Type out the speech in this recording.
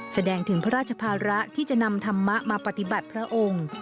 แสดงถึงพระราชภาระที่จะนำธรรมะมาปฏิบัติพระองค์